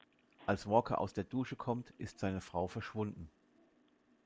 Als Walker aus der Dusche kommt, ist seine Frau verschwunden.